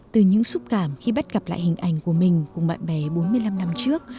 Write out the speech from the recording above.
từ những xúc cảm khi bắt gặp lại hình ảnh của mình cùng bạn bè bốn mươi năm năm trước